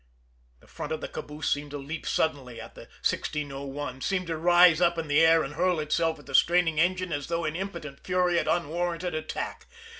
The front of the caboose seemed to leap suddenly at the 1601, seemed to rise up in the air and hurl itself at the straining engine as though in impotent fury at unwarranted attack.